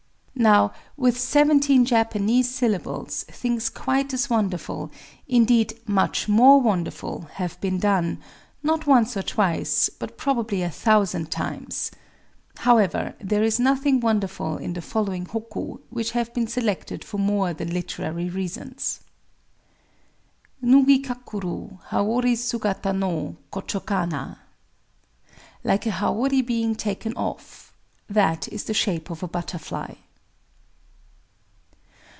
Now with seventeen Japanese syllables things quite as wonderful—indeed, much more wonderful—have been done, not once or twice, but probably a thousand times... However, there is nothing wonderful in the following hokku, which have been selected for more than literary reasons:— Nugi kakuru Haori sugata no Kochō kana! [Like a haori _being taken off—that is the shape of a butterfly!